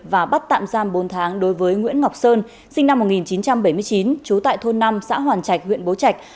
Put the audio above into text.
và bắt tạm giam bốn tháng đối với nguyễn ngọc sơn sinh năm một nghìn chín trăm bảy mươi chín trú tại thôn năm xã hoàn trạch huyện bố trạch